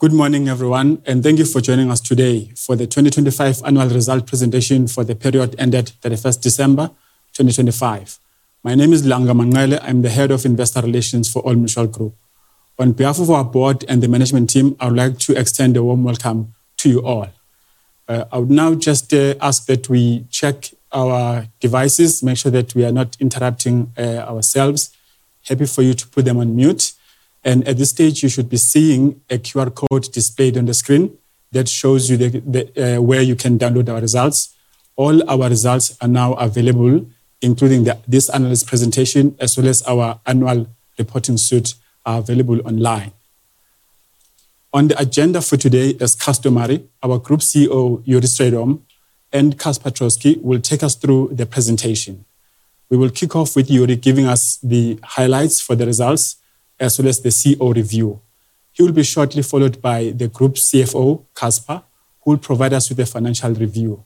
Good morning, everyone, and thank you for joining us today for the 2025 annual result presentation for the period ended 31 December 2025. My name is Langa Manqele. I'm the Head of Investor Relations for Old Mutual Group. On behalf of our board and the management team, I would like to extend a warm welcome to you all. I would now just ask that we check our devices, make sure that we are not interrupting ourselves. Happy for you to put them on mute. At this stage, you should be seeing a QR code displayed on the screen that shows you the where you can download our results. All our results are now available, including this analyst presentation, as well as our annual reporting suite are available online. On the agenda for today, as customary, our Group CEO, Jurie Strydom, and Casper Troskie will take us through the presentation. We will kick off with Jurie giving us the highlights for the results as well as the CEO review. He will be shortly followed by the Group CFO, Casper, who will provide us with a financial review.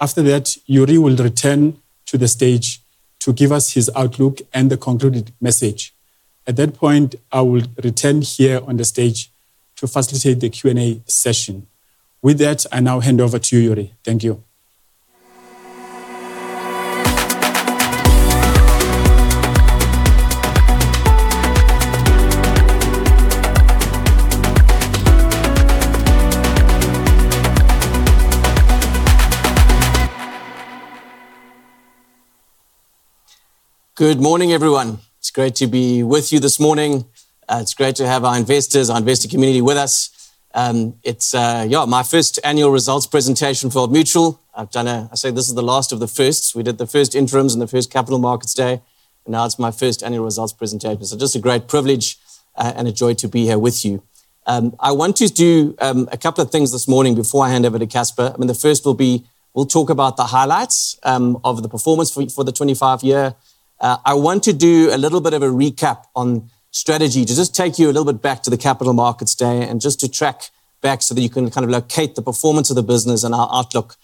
After that, Jurie will return to the stage to give us his outlook and the concluding message. At that point, I will return here on the stage to facilitate the Q&A session. With that, I now hand over to Jurie. Thank you. Good morning, everyone. It's great to be with you this morning. It's great to have our investors, our investor community with us. It's my first annual results presentation for Old Mutual. I say this is the last of the first. We did the first interims and the first Capital Markets Day, and now it's my first annual results presentation. Just a great privilege and a joy to be here with you. I want to do a couple of things this morning before I hand over to Casper. The first will be, we'll talk about the highlights of the performance for the 25 year. I want to do a little bit of a recap on strategy to just take you a little bit back to the Capital Markets Day and just to track back so that you can kind of locate the performance of the business and our outlook,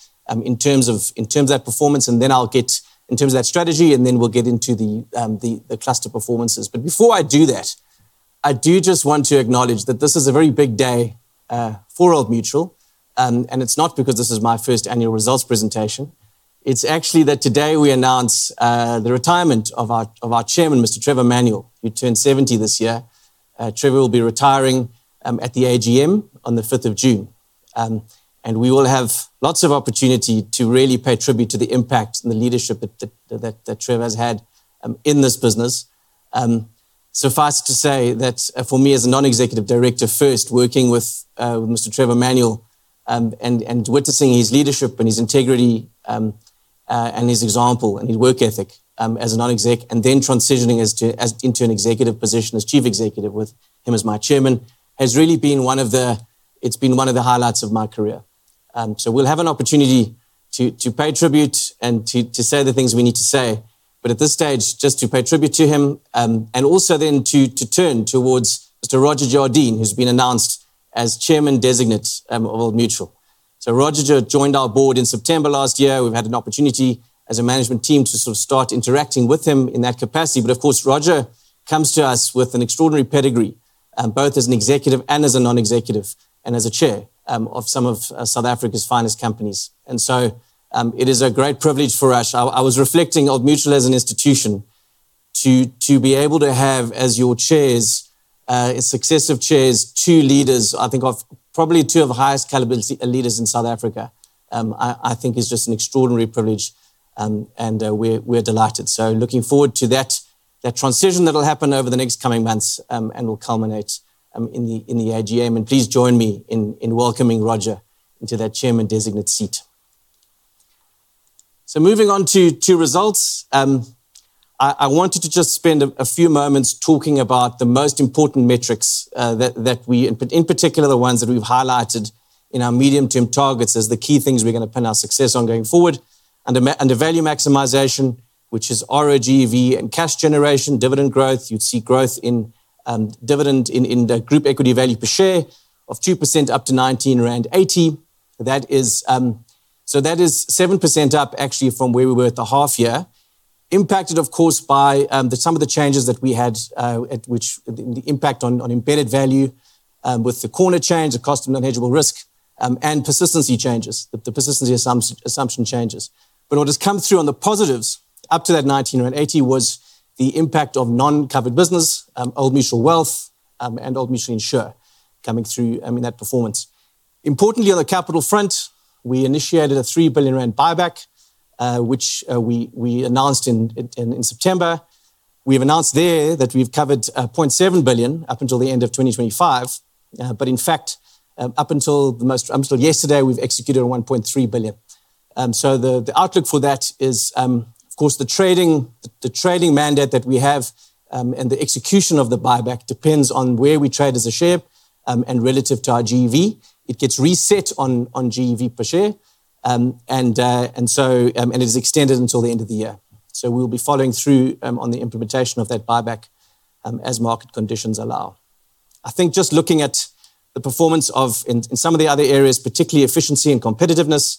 in terms of that performance. I'll get into that strategy, and then we'll get into the cluster performances. Before I do that, I just want to acknowledge that this is a very big day for Old Mutual. It's not because this is my first annual results presentation. It's actually that today we announce the retirement of our chairman, Mr. Trevor Manuel, who turned 70 this year. Trevor will be retiring at the AGM on the fifth of June. We will have lots of opportunity to really pay tribute to the impact and the leadership that Trevor's had in this business. Suffice to say that for me as a non-executive director first working with Mr. Trevor Manuel, and witnessing his leadership and his integrity, and his example and his work ethic, as a non-exec, and then transitioning into an executive position as chief executive with him as my chairman, it's been one of the highlights of my career. We'll have an opportunity to pay tribute and to say the things we need to say, but at this stage, just to pay tribute to him, and also then to turn towards Mr. Roger Jardine, who's been announced as Chairman Designate of Old Mutual. Roger joined our board in September last year. We've had an opportunity as a management team to sort of start interacting with him in that capacity. Of course, Roger comes to us with an extraordinary pedigree, both as an executive and as a non-executive, and as a chair of some of South Africa's finest companies. It is a great privilege for us. I was reflecting Old Mutual as an institution to be able to have as your chairs, successive chairs, two leaders I think of probably two of the highest caliber leaders in South Africa. I think it is just an extraordinary privilege. We're delighted. Looking forward to that transition that’ll happen over the coming months, and will culminate in the AGM. Please join me in welcoming Roger into that chairman designate seat. Moving on to results. I wanted to just spend a few moments talking about the most important metrics those that we, in particular, have highlighted in our medium-term targets as the key things we're gonna pin our success on going forward. The value maximization, which is RoGEV and cash generation, dividend growth. You'd see growth in dividend and in the group equity value per share of 2% up to 19.80 rand. That is, that is 7% up actually from where we were at the half year. Impacted, of course, by some of the changes that we had, which had an impact on embedded value with the currency change, the cost of non-hedgeable risk, and persistency changes. The persistency assumption changes. What has come through on the positives up to that 19.80 was the impact of non-covered business, Old Mutual Wealth, and Old Mutual Insure coming through, I mean, that performance. Importantly, on the capital front, we initiated a 3 billion rand buyback, which we announced in September. We have announced there that we've covered 0.7 billion up until the end of 2025. In fact, up until yesterday, we've executed 1.3 billion. The outlook for that is, of course, the trading mandate that we have, and the execution of the buyback depends on where we trade as a share, and relative to our GEV. It gets reset on GEV per share. It is extended until the end of the year. We'll be following through on the implementation of that buyback, as market conditions allow. I think just looking at the performance of some of the other areas, particularly efficiency and competitiveness.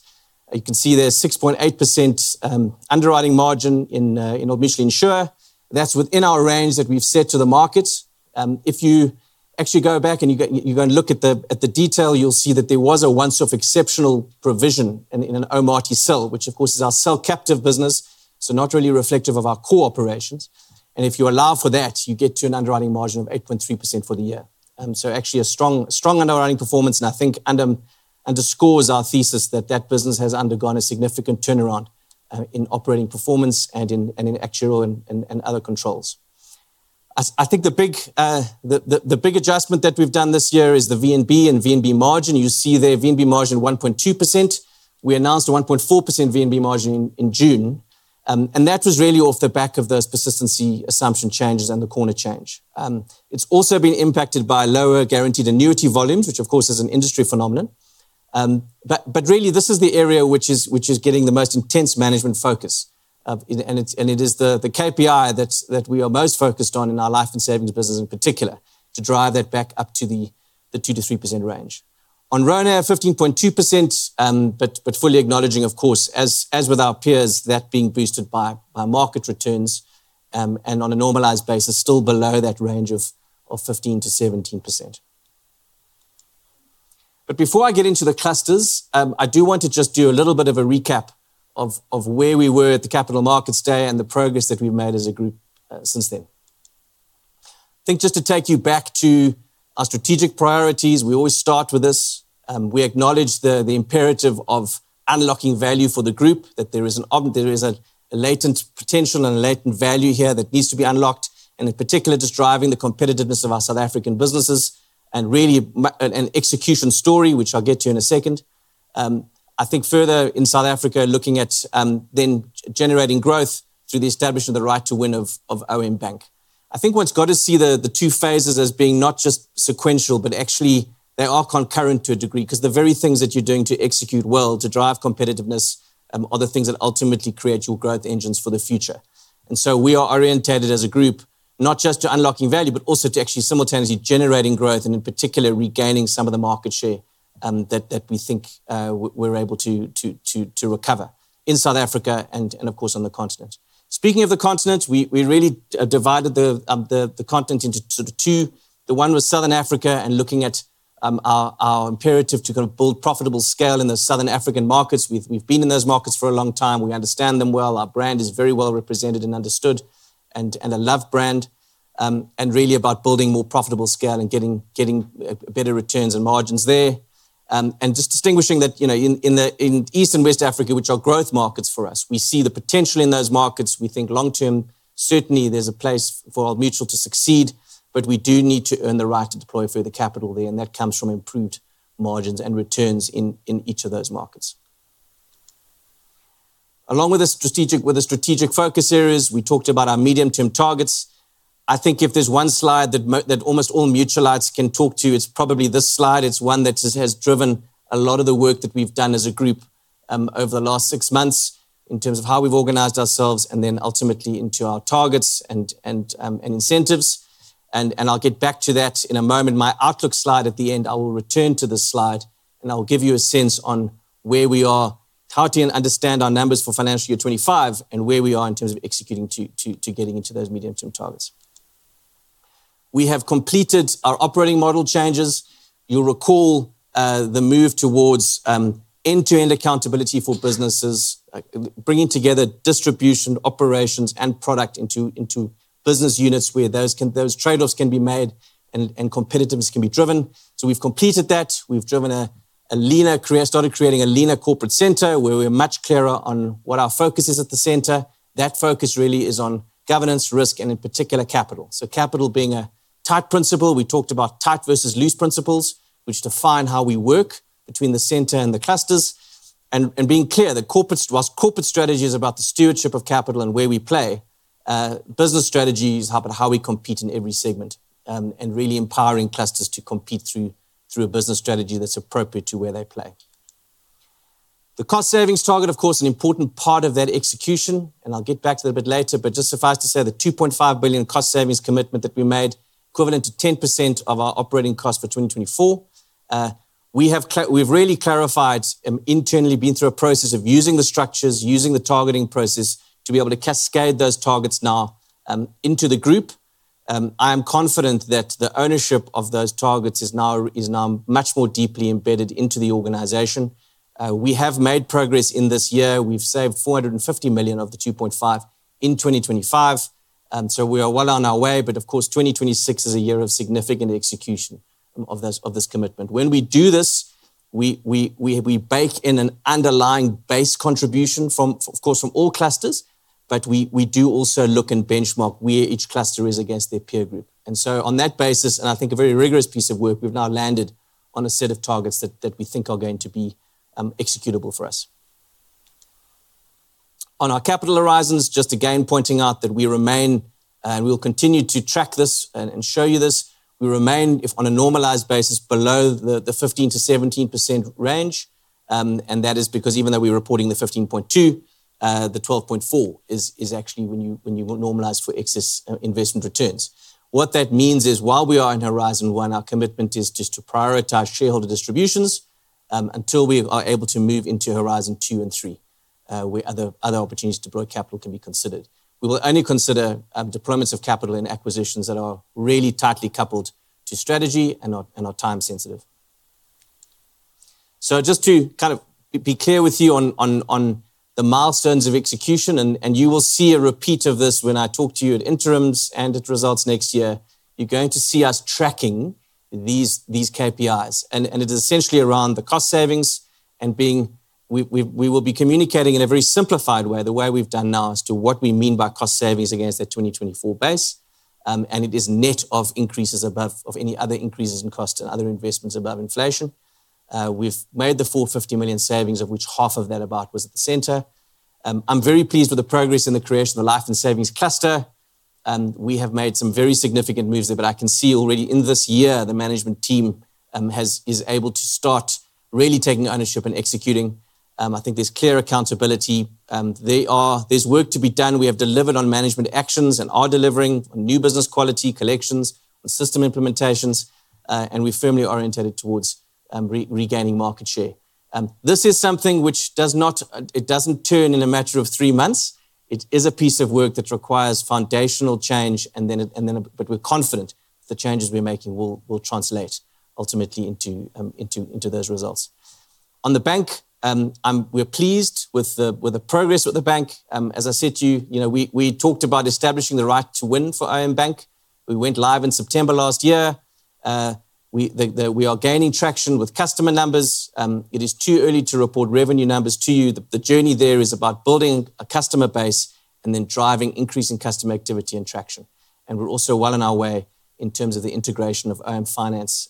You can see there 6.8% underwriting margin in Old Mutual Insure. That's within our range that we've set to the market. If you actually go back and you go and look at the detail, you'll see that there was a once-off exceptional provision in OM Alternative, which of course is our cell captive business, so not really reflective of our core operations. If you allow for that, you get to an underwriting margin of 8.3% for the year. Actually a strong underwriting performance, and I think underscores our thesis that that business has undergone a significant turnaround in operating performance and in actuarial and other controls. I think the big adjustment that we've done this year is the VNB and VNB margin. You see there VNB margin 1.2%. We announced a 1.4% VNB margin in June. That was really off the back of those persistency assumption changes and the corner change. It's also been impacted by lower guaranteed annuity volumes, which of course is an industry phenomenon. But really this is the area which is getting the most intense management focus. It is the KPI that we are most focused on in our life and savings business in particular to drive that back up to the 2%-3% range. On RoNAV, 15.2%, but fully acknowledging, of course, as with our peers, that being boosted by market returns, and on a normalized basis, still below that range of 15%-17%. Before I get into the clusters, I do want to just do a little bit of a recap of where we were at the Capital Markets Day and the progress that we've made as a group since then. I think just to take you back to our strategic priorities, we always start with this. We acknowledge the imperative of unlocking value for the group, that there is a latent potential and a latent value here that needs to be unlocked, and in particular, just driving the competitiveness of our South African businesses and really an execution story, which I'll get to in a second. I think further in South Africa, looking at then generating growth through the establishment of the right to win of OM BANK. I think one's got to see the two phases as being not just sequential, but actually they are concurrent to a degree 'cause the very things that you're doing to execute well, to drive competitiveness, are the things that ultimately create your growth engines for the future. We are orientated as a group not just to unlocking value, but also to actually simultaneously generating growth, and in particular, regaining some of the market share that we think we're able to recover in South Africa and of course, on the continent. Speaking of the continent, we really divided the content into sort of two. The one was Southern Africa and looking at our imperative to kind of build profitable scale in the Southern African markets. We've been in those markets for a long time. We understand them well. Our brand is very well represented and understood and a loved brand. Really about building more profitable scale and getting better returns and margins there. Just distinguishing that in East and West Africa, which are growth markets for us, we see the potential in those markets. We think long term, certainly there's a place for Old Mutual to succeed, but we do need to earn the right to deploy further capital there, and that comes from improved margins and returns in each of those markets. Along with the strategic focus areas, we talked about our medium-term targets. I think if there's one slide that almost all Mutualites can talk to, it's probably this slide. It's one that just has driven a lot of the work that we've done as a group, over the last six months in terms of how we've organized ourselves and then ultimately into our targets and incentives. I'll get back to that in a moment. My outlook slide at the end, I will return to this slide, and I'll give you a sense on where we are, how to understand our numbers for financial year 25 and where we are in terms of executing to getting into those medium-term targets. We have completed our operating model changes. You'll recall, the move towards end-to-end accountability for businesses, bringing together distribution, operations, and product into business units where those trade-offs can be made and competitiveness can be driven. We've completed that. We've started creating a leaner corporate center where we're much clearer on what our focus is at the center. That focus really is on governance, risk, and in particular capital. Capital being a tight principle. We talked about tight versus loose principles, which define how we work between the center and the clusters. Being clear that while corporate strategy is about the stewardship of capital and where we play, business strategy is how we compete in every segment, and really empowering clusters to compete through a business strategy that's appropriate to where they play. The cost savings target, of course, an important part of that execution, and I'll get back to that a bit later. Just suffice to say, the 2.5 billion cost savings commitment that we made, equivalent to 10% of our operating cost for 2024, we've really clarified and internally been through a process of using the structures, using the targeting process to be able to cascade those targets now into the group. I am confident that the ownership of those targets is now much more deeply embedded into the organization. We have made progress in this year. We've saved 450 million of the 2.5 in 2025. We are well on our way, but of course, 2026 is a year of significant execution of this commitment. When we do this, we bake in an underlying base contribution from, of course, from all clusters, but we do also look and benchmark where each cluster is against their peer group. On that basis, and I think a very rigorous piece of work, we've now landed on a set of targets that we think are going to be executable for us. On our capital horizons, just again pointing out that we remain, and we'll continue to track this and show you this, we remain on a normalized basis below the 15%-17% range. That is because even though we're reporting the 15.2, the 12.4 is actually when you normalize for excess investment returns. What that means is while we are in Horizon one, our commitment is just to prioritize shareholder distributions, until we are able to move into Horizon two and three, where other opportunities to deploy capital can be considered. We will only consider deployments of capital in acquisitions that are really tightly coupled to strategy and are time sensitive. Just to kind of be clear with you on the milestones of execution, and you will see a repeat of this when I talk to you at interims and at results next year. You're going to see us tracking these KPIs. It is essentially around the cost savings. We will be communicating in a very simplified way, the way we've done now as to what we mean by cost savings against the 2024 base. It is net of increases above any other increases in cost and other investments above inflation. We've made the full 50 million savings of which half of that about was at the center. I'm very pleased with the progress in the creation of the life and savings cluster, and we have made some very significant moves there. I can see already in this year the management team is able to start really taking ownership and executing. I think there's clear accountability. There's work to be done. We have delivered on management actions and are delivering on new business quality collections and system implementations. We're firmly oriented towards regaining market share. This is something which doesn't turn in a matter of three months. It is a piece of work that requires foundational change. We're confident the changes we're making will translate ultimately into those results. On the bank, we're pleased with the progress with the bank. As I said to you know, we talked about establishing the right to win for OM Bank. We went live in September last year. We are gaining traction with customer numbers. It is too early to report revenue numbers to you. The journey there is about building a customer base and then driving increasing customer activity and traction. We're also well on our way in terms of the integration of Old Mutual Finance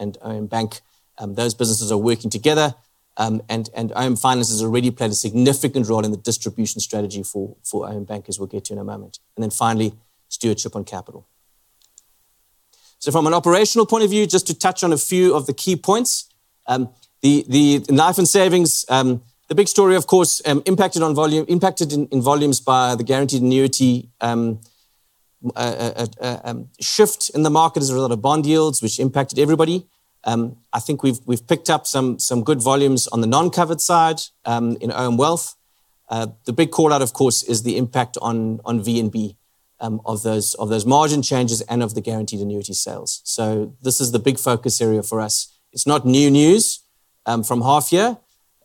and OM Bank. Those businesses are working together, and Old Mutual Finance has already played a significant role in the distribution strategy for OM Bank, as we'll get to in a moment. Finally, stewardship on capital. From an operational point of view, just to touch on a few of the key points, the Life and Savings, the big story of course, impacted on volume, impacted in volumes by the guaranteed annuity, shift in the market as a result of bond yields, which impacted everybody. We've picked up some good volumes on the non-covered side in Old Mutual Wealth. The big call out is the impact on VNB of those margin changes and of the guaranteed annuity sales. This is the big focus area for us. It's not new news from half year.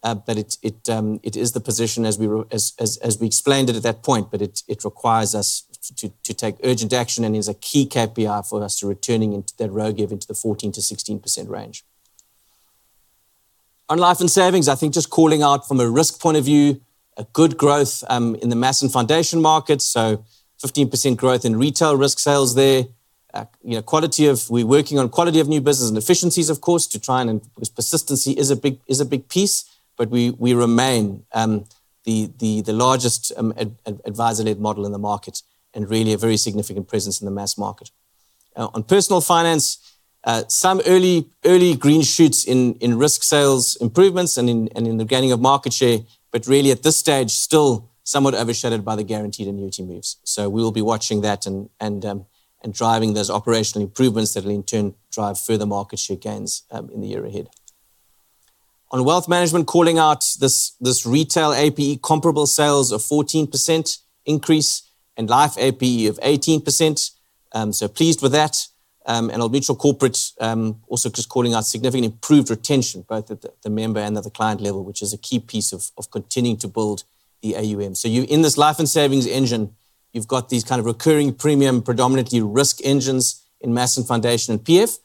It's the position as we explained it at that point, but it requires us to take urgent action and is a key KPI for us to returning into that RoGEV into the 14%-16% range. On Life and Savings, Just calling out from a risk point of view, a good growth in the Mass and Foundation markets, so 15% growth in retail risk sales there. We're working on quality of new business and efficienciese because persistency is a big piece, but we remain the largest advisor-led model in the market and really a very significant presence in the mass market. On Personal Finance, some early green shoots in risk sales improvements and in the gaining of market share, but really at this stage still somewhat overshadowed by the guaranteed annuity moves. We'll be watching that and driving those operational improvements that'll in turn drive further market share gains in the year ahead. On Wealth Management, calling out this retail APE comparable sales of 14% increase and life APE of 18%. Pleased with that. Old Mutual Corporate, also just calling out significantly improved retention, both at the member and at the client level, which is a key piece of continuing to build the AUM. In this life and savings engine, you've got these kind of recurring premium, predominantly risk engines in Mass & Foundation and PF.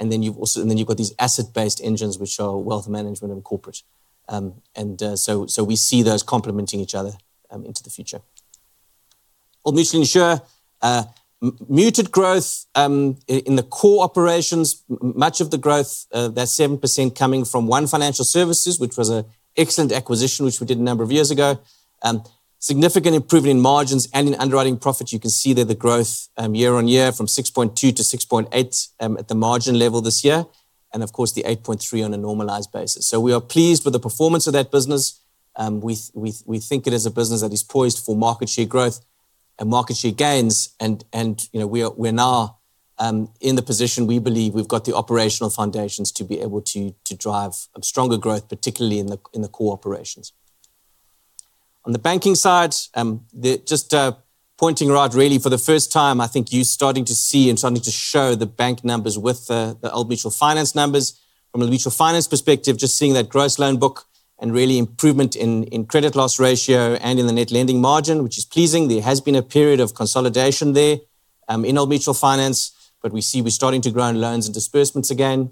Then you've got these asset-based engines, which are wealth management and corporate. We see those complementing each other into the future. Old Mutual Insure, muted growth in the core operations. Much of the growth, that 7% coming from ONE Financial Services, which was an excellent acquisition, which we did a number of years ago. Significant improvement in margins and in underwriting profits. There, you can see the growth year-on-year, from 6.2% to 6.8% at the margin level this year and of course, the 8.3% on a normalized basis. We are pleased with the performance of that business. We think it is a business that is poised for market share growth and market share gains. We're now in the position we believe we've got the operational foundations to be able to drive stronger growth, particularly in the core operations. On the banking side, just pointing out really for the first time, You're starting to see and starting to show the bank numbers with the Old Mutual Finance numbers. From an Old Mutual Finance perspective, just seeing that gross loan book and really improvement in credit loss ratio and in the net lending margin, which is pleasing. There has been a period of consolidation there in Old Mutual Finance, but we see we're starting to grow in loans and disbursements again.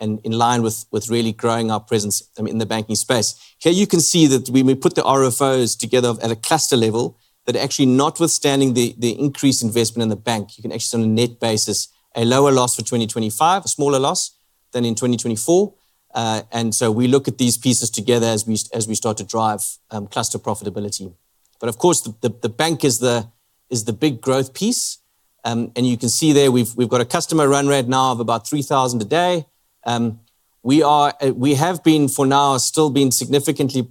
In line with really growing our presence in the banking space. Here you can see that we put the RFOs together at a cluster level, that actually notwithstanding the increased investment in the bank, you can actually see on a net basis a lower loss for 2025, a smaller loss than in 2024. We look at these pieces together as we start to drive cluster profitability. Of course, the bank is the big growth piece. You can see there we've got a customer run rate now of about 3,000 a day. We have been for now significantly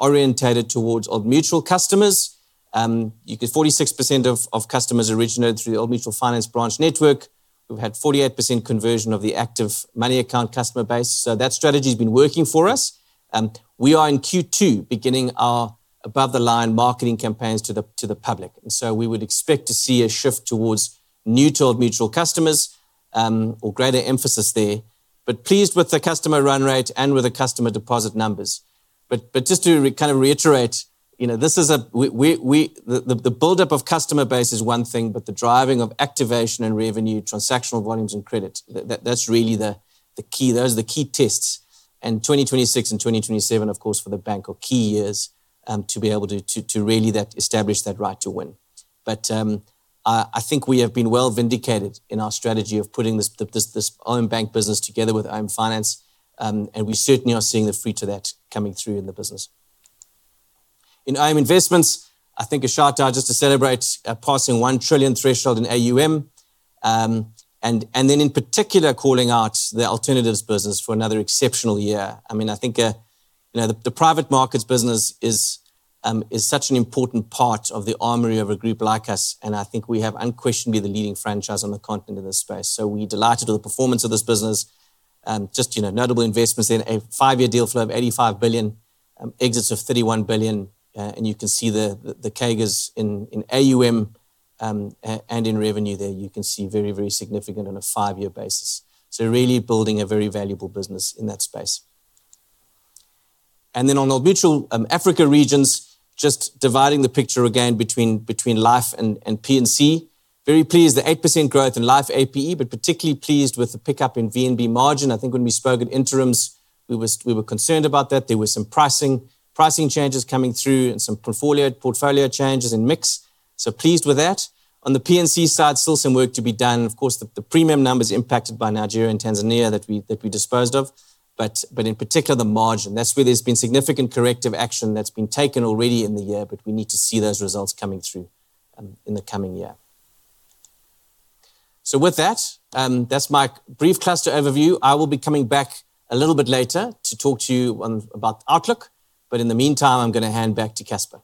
oriented towards Old Mutual customers. You get 46% of customers originated through the Old Mutual Finance branch network. We've had 48% conversion of the active Money Account customer base. That strategy's been working for us. We are in Q2 beginning our above-the-line marketing campaigns to the public. We would expect to see a shift towards new to Old Mutual customers, or greater emphasis there. Pleased with the customer run rate and with the customer deposit numbers. Just to kind of reiterate know, this is a... The buildup of customer base is one thing, but the driving of activation and revenue, transactional volumes, and credit, that's really the key. Those are the key tests. 2026 and 2027 of course for the bank are key years to be able to really establish that right to win. We have been well vindicated in our strategy of putting this OM Bank business together with OM Finance. And we certainly are seeing the fruit of that coming through in the business. In OM Investments, I think a shout-out just to celebrate passing 1 trillion threshold in AUM. And then in particular calling out the alternatives business for another exceptional year. The private markets business is such an important part of the armory of a group like us, and we have unquestionably the leading franchise on the continent in this space. We're delighted with the performance of this business. Notable investments in a five-year deal flow of 85 billion, exits of 31 billion. You can see the CAGRs in AUM and in revenue there, you can see very significant on a five-year basis. Really building a very valuable business in that space. On Old Mutual Africa Regions, just dividing the picture again between life and P&C. Very pleased, the 8% growth in Life APE, but particularly pleased with the pickup in VNB margin. When we spoke at interims, we were concerned about that. There were some pricing changes coming through and some portfolio changes in mix. Pleased with that. On the P&C side, still some work to be done. Of course, the premium numbers impacted by Nigeria and Tanzania that we disposed of. In particular the margin, that's where there's been significant corrective action that's been taken already in the year, but we need to see those results coming through in the coming year. With that's my brief cluster overview. I will be coming back a little bit later to talk to you about the outlook, but in the meantime, I'm gonna hand back to Casper.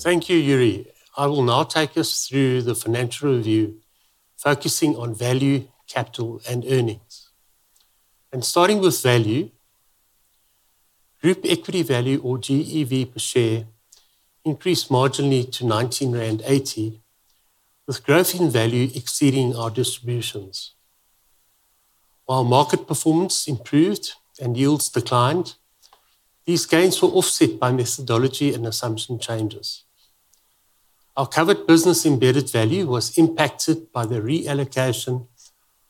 Thank you, Jurie. I will now take us through the financial review, focusing on value, capital, and earnings. Starting with value, group equity value or GEV per share increased marginally to 19.80, with growth in value exceeding our distributions. While market performance improved and yields declined, these gains were offset by methodology and assumption changes. Our covered business embedded value was impacted by the reallocation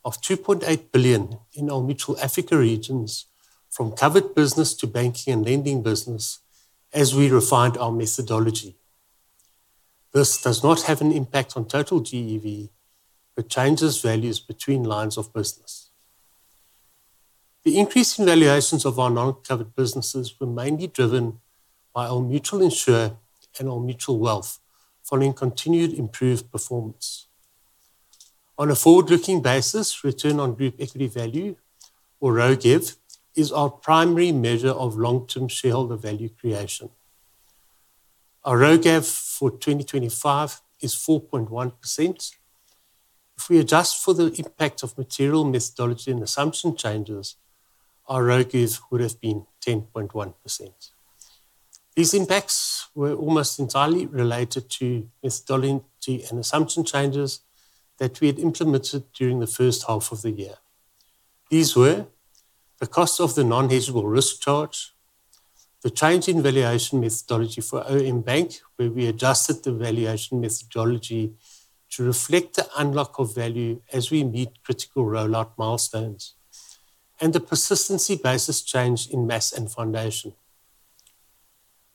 of 2.8 billion in Old Mutual Africa Regions from covered business to banking and lending business as we refined our methodology. This does not have an impact on total GEV, but changes values between lines of business. The increase in valuations of our non-covered businesses were mainly driven by Old Mutual Insure and Old Mutual Wealth following continued improved performance. On a forward-looking basis, return on group equity value, or RoGEV, is our primary measure of long-term shareholder value creation. Our RoGEV for 2025 is 4.1%. If we adjust for the impact of material methodology and assumption changes, our RoGEV would have been 10.1%. These impacts were almost entirely related to methodology and assumption changes that we had implemented during the first half of the year. These were the cost of non-hedgeable risk charge, the change in valuation methodology for OM Bank, where we adjusted the valuation methodology to reflect the unlock of value as we meet critical rollout milestones, and the persistency basis change in Mass & Foundation.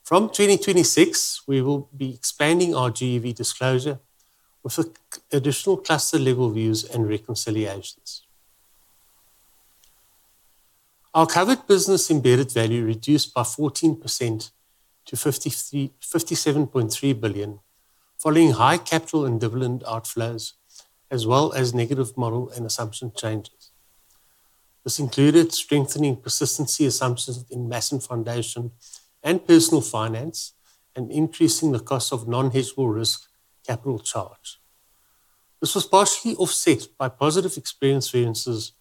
From 2026, we will be expanding our GEV disclosure with additional cluster level views and reconciliations. Our covered business embedded value reduced by 14% to 57.3 billion following high capital and dividend outflows, as well as negative model and assumption changes. This included strengthening persistency assumptions in Mass & Foundation and Personal Finance, and increasing the cost of non-hedgeable risk capital charge. This was partially offset by positive experience variances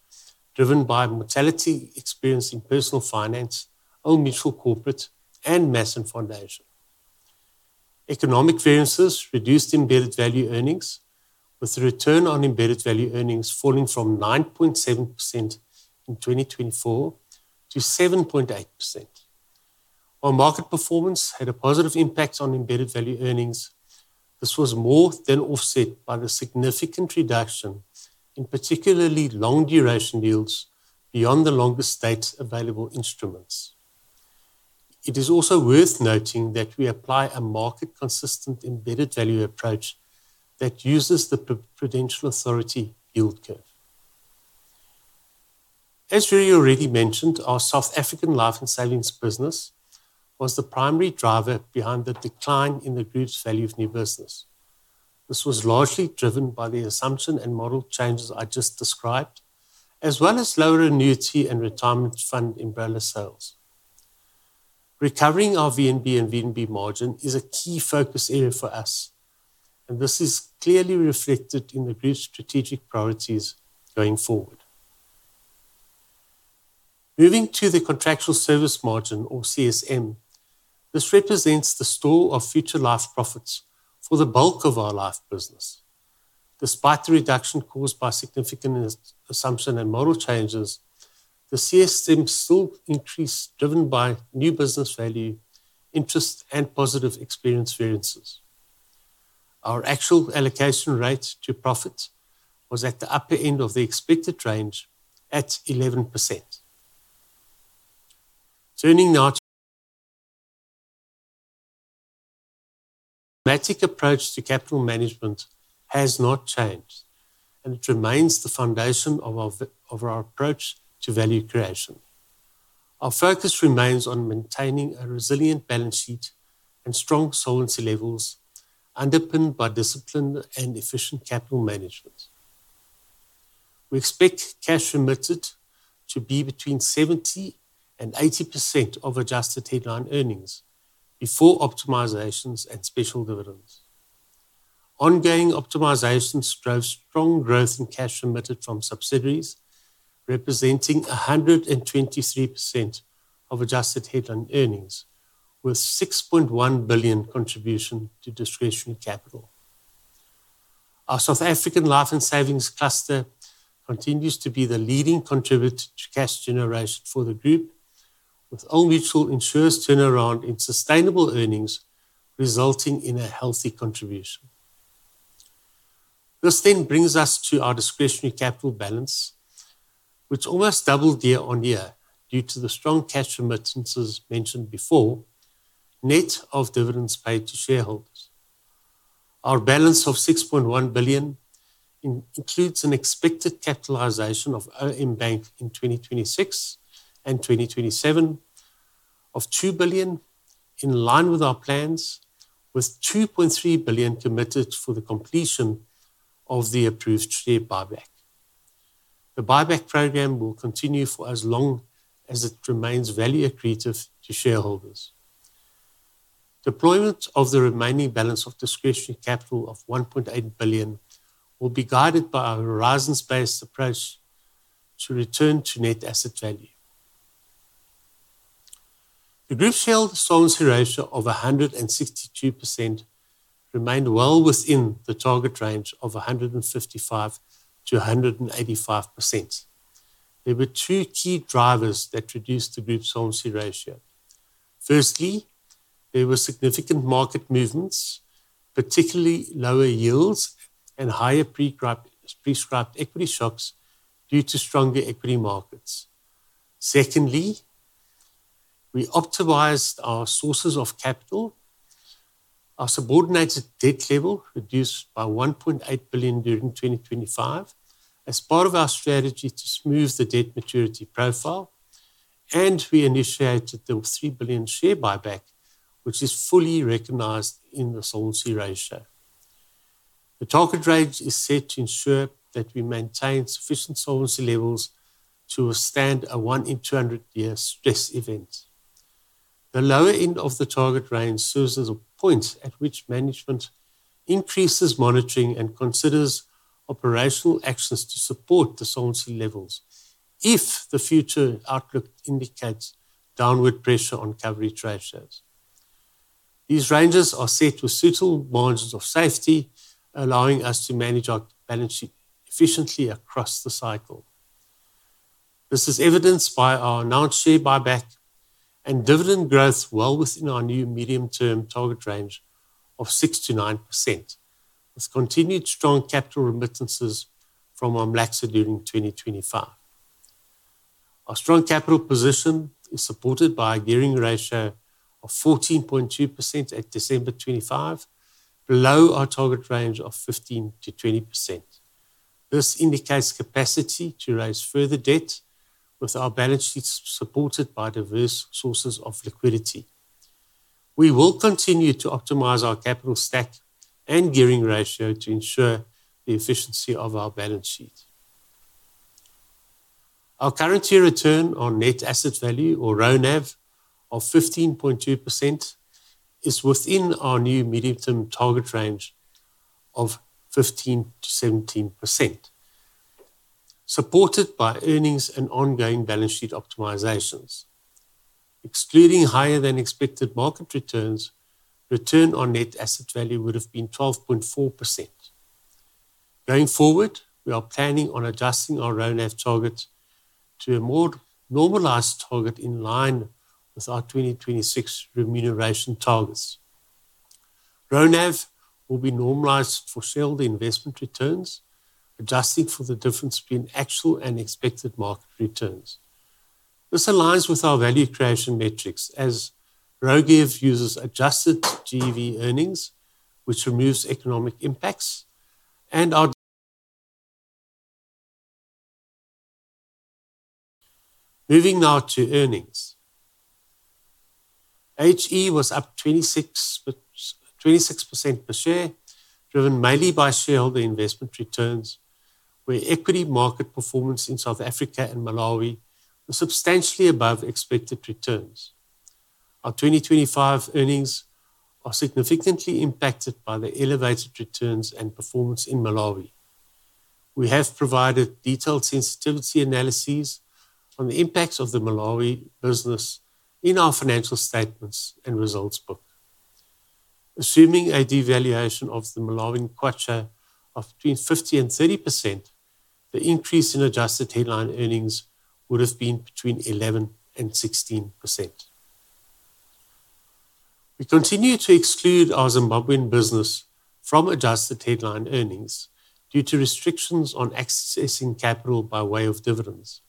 driven by mortality experience in Personal Finance, Old Mutual Corporate, and Mass & Foundation. Economic variances reduced embedded value earnings with the return on embedded value earnings falling from 9.7% in 2024 to 7.8%. While market performance had a positive impact on embedded value earnings, this was more than offset by the significant reduction in particularly long duration yields beyond the longest straight available instruments. It is also worth noting that we apply a market consistent embedded value approach that uses the Prudential Authority yield curve. As Jurie already mentioned, our South African life and savings business was the primary driver behind the decline in the group's value of new business. This was largely driven by the assumption and model changes I just described, as well as lower annuity and retirement fund umbrella sales. Recovering our VNB and VNB margin is a key focus area for us, and this is clearly reflected in the group's strategic priorities going forward. Moving to the contractual service margin or CSM. This represents the store of future life profits for the bulk of our life business. Despite the reduction caused by significant assumption and model changes, the CSM still increased, driven by new business value, interest, and positive experience variances. Our actual allocation rate to profits was at the upper end of the expected range at 11%. Turning now to systematic approach to capital management has not changed, and it remains the foundation of our approach to value creation. Our focus remains on maintaining a resilient balance sheet and strong solvency levels, underpinned by disciplined and efficient capital management. We expect cash remitted to be between 70% and 80% of Adjusted Headline Earnings before optimizations and special dividends. Ongoing optimizations drove strong growth in cash remitted from subsidiaries, representing 123% of Adjusted Headline Earnings with 6.1 billion contribution to discretionary capital. Our South African Life and Savings cluster continues to be the leading contributor to cash generation for the group, with Old Mutual Insure's turnaround in sustainable earnings resulting in a healthy contribution. This brings us to our discretionary capital balance, which almost doubled year-on-year due to the strong cash remittances mentioned before, net of dividends paid to shareholders. Our balance of 6.1 billion includes an expected capitalization of OM Bank in 2026 and 2027 of 2 billion, in line with our plans, with 2.3 billion committed for the completion of the approved share buyback. The buyback program will continue for as long as it remains value accretive to shareholders. Deployment of the remaining balance of discretionary capital of 1.8 billion will be guided by a horizons-based approach to return to net asset value. The group's held solvency ratio of 162% remained well within the target range of 155%-185%. There were two key drivers that reduced the group's solvency ratio. Firstly, there were significant market movements, particularly lower yields and higher prescribed equity shocks due to stronger equity markets. Secondly, we optimized our sources of capital. Our subordinated debt level reduced by 1.8 billion during 2025 as part of our strategy to smooth the debt maturity profile. We initiated the 3 billion share buyback, which is fully recognized in the solvency ratio. The target range is set to ensure that we maintain sufficient solvency levels to withstand a 1 in 200-year stress event. The lower end of the target range serves as a point at which management increases monitoring and considers operational actions to support the solvency levels if the future outlook indicates downward pressure on coverage ratios. These ranges are set with suitable margins of safety, allowing us to manage our balance sheet efficiently across the cycle. This is evidenced by our announced share buyback and dividend growth well within our new medium-term target range of 6%-9%, with continued strong capital remittances from our MLACs during 2025. Our strong capital position is supported by a gearing ratio of 14.2% at December 2025, below our target range of 15%-20%. This indicates capacity to raise further debt with our balance sheets supported by diverse sources of liquidity. We will continue to optimize our capital stack and gearing ratio to ensure the efficiency of our balance sheet. Our current year return on net asset value, or RoNAV, of 15.2% is within our new medium-term target range of 15%-17%, supported by earnings and ongoing balance sheet optimizations. Excluding higher than expected market returns, return on net asset value would have been 12.4%. Going forward, we are planning on adjusting our RoNAV targets to a more normalized target in line with our 2026 remuneration targets. RoNAV will be normalized for shareholder investment returns, adjusted for the difference between actual and expected market returns. This aligns with our value creation metrics as RoGEV uses adjusted GEV earnings, which removes economic impacts and our. Moving now to earnings. AHE was up 26% per share, driven mainly by shareholder investment returns, where equity market performance in South Africa and Malawi were substantially above expected returns. Our 2025 earnings are significantly impacted by the elevated returns and performance in Malawi. We have provided detailed sensitivity analyses on the impacts of the Malawi business in our financial statements and results book. Assuming a devaluation of the Malawian kwacha of between 50% and 30%, the increase in adjusted headline earnings would have been between 11% and 16%. We continue to exclude our Zimbabwean business from adjusted headline earnings due to restrictions on accessing capital by way of dividends.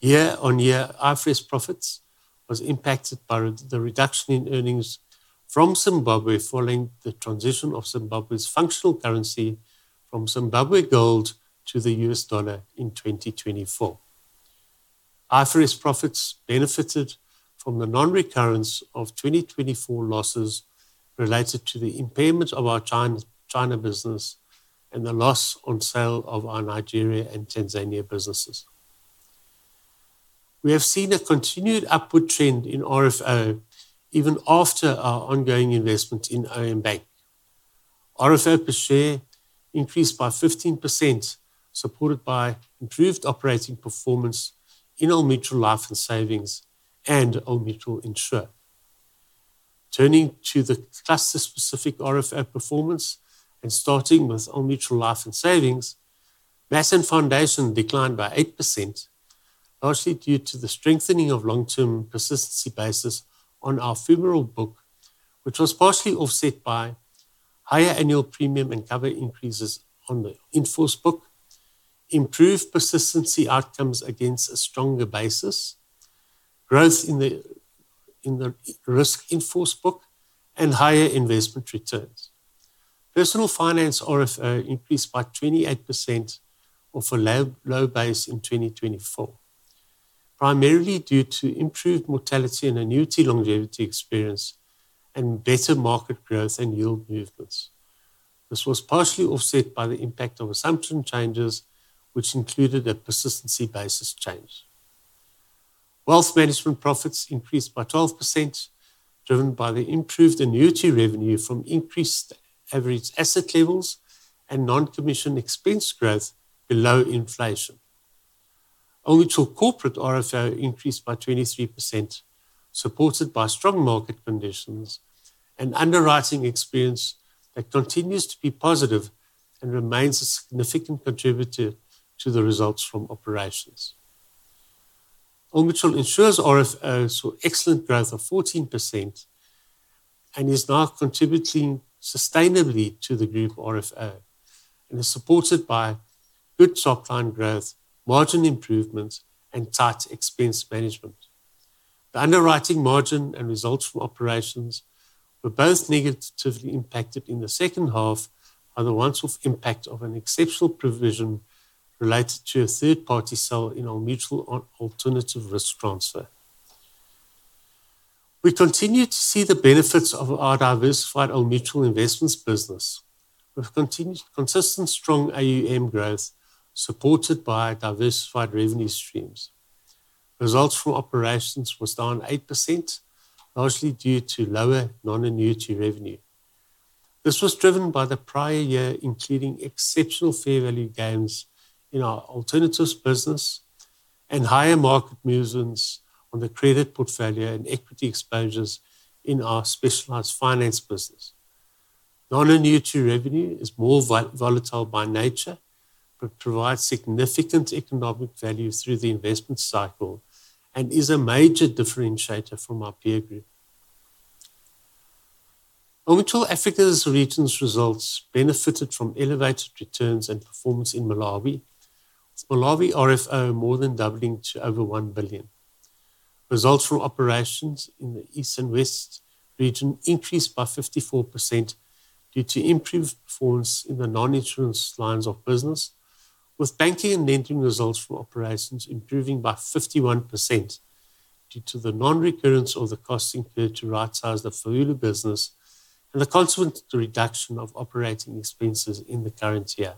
Year-on-year IFRS profits was impacted by the reduction in earnings from Zimbabwe following the transition of Zimbabwe's functional currency from Zimbabwe gold to the US dollar in 2024. IFRS profits benefited from the non-recurrence of 2024 losses related to the impairment of our China business and the loss on sale of our Nigeria and Tanzania businesses. We have seen a continued upward trend in RFO even after our ongoing investment in OM Bank. RFO per share increased by 15%, supported by improved operating performance in Old Mutual Life and Savings and Old Mutual Insure. Turning to the cluster-specific RFO performance and starting with Old Mutual Life and Savings. Mass and Foundation declined by 8%, largely due to the strengthening of long-term persistency basis on our funeral book, which was partially offset by higher annual premium and cover increases on the in-force book. Improved persistency outcomes against a stronger basis, growth in the risk in-force book, and higher investment returns. Personal Finance RFO increased by 28% off a low base in 2024, primarily due to improved mortality and annuity longevity experience and better market growth and yield movements. This was partially offset by the impact of assumption changes, which included a persistency basis change. Wealth Management profits increased by 12%, driven by the improved annuity revenue from increased average asset levels and non-commission expense growth below inflation. Old Mutual Corporate RFO increased by 23%, supported by strong market conditions and underwriting experience that continues to be positive and remains a significant contributor to the results from operations. Old Mutual Insure RFO saw excellent growth of 14% and is now contributing sustainably to the group RFO and is supported by good top-line growth, margin improvement, and tight expense management. The underwriting margin and results from operations were both negatively impacted in the second half by the one-off impact of an exceptional provision related to a third-party sale in our Old Mutual Alternative Risk Transfer. We continue to see the benefits of our diversified Old Mutual Investments business with consistent strong AUM growth supported by diversified revenue streams. Results from operations was down 8%, largely due to lower non-annuity revenue. This was driven by the prior year, including exceptional fair value gains in our alternatives business and higher market movements on the credit portfolio and equity exposures in our specialized finance business. Non-annuity revenue is more volatile by nature, but provides significant economic value through the investment cycle and is a major differentiator from our peer group. Old Mutual Africa Regions results benefited from elevated returns and performance in Malawi, with Malawi RFO more than doubling to over 1 billion. Results from operations in the East and West region increased by 54% due to improved performance in the non-insurance lines of business, with banking and lending results from operations improving by 51% due to the non-recurrence of the costs incurred to rightsize the Faulu business and the consequent reduction of operating expenses in the current year.